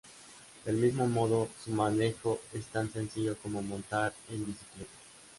Del mismo modo, su manejo es tan sencillo como montar en bicicleta.